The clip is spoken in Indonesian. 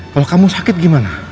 kalau kamu sakit gimana